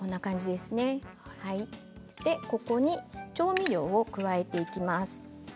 ここに調味料を加えていきます。